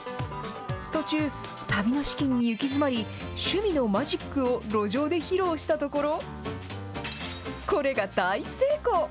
途中、旅の資金に行き詰まり、趣味のマジックを路上で披露したところ、これが大成功。